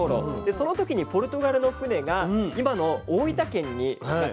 その時にポルトガルの船が今の大分県にたどりつきました。